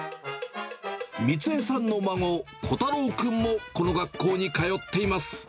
三江さんの孫、鼓太郎君もこの学校に通っています。